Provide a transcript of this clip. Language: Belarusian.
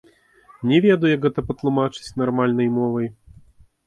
Не ведаю, як гэта патлумачыць нармальнай мовай.